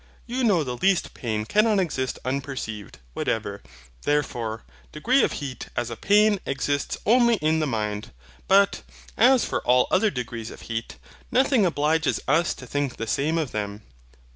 You know the least pain cannot exist unperceived; whatever, therefore, degree of heat is a pain exists only in the mind. But, as for all other degrees of heat, nothing obliges us to think the same of them.